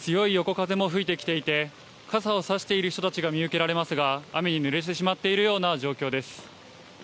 時折、強い横風も吹いてきていて、傘をさしている人たちが見受けられますが、雨に濡れてしまっているような状況です。